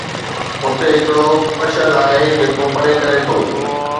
اتي ھڪڙو مشعل آھي جيڪو پري ڪري ٿو